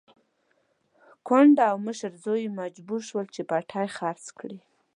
کونډه او مشر زوی يې مجبور شول چې پټی خرڅ کړي.